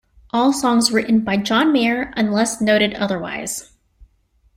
All songs written by John Mayer unless noted otherwise.